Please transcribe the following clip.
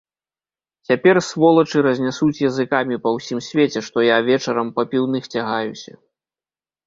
Цяпер, сволачы, разнясуць языкамі па ўсім свеце, што я вечарам па піўных цягаюся.